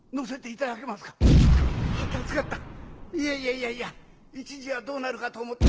いやいや一時はどうなるかと思って。